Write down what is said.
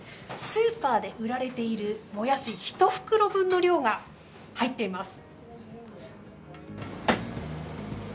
スーパーで売られているモヤシ１袋分の量が入っています。